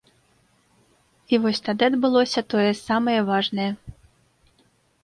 І вось тады адбылося тое самае важнае.